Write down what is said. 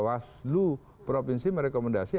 waslu provinsi merekomendasi